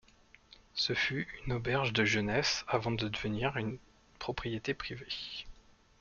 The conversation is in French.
Ce fut une auberge de jeunesse avant de devenir une propriété privée.